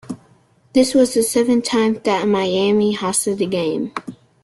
This was the seventh time that Miami hosted the game.